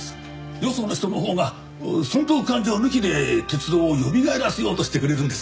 よその人のほうが損得勘定抜きで鉄道をよみがえらせようとしてくれるんですから。